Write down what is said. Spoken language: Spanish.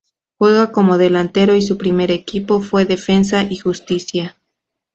Juega como delantero y su primer equipo fue Defensa y Justicia.